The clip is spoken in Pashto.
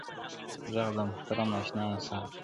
ږغ ده محترم ناشناس صاحب٫